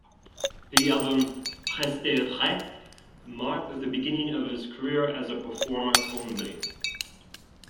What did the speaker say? The album "Rester vrai" marked the beginning of his career as a performer only.